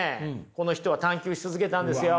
この人は探究し続けたんですよ。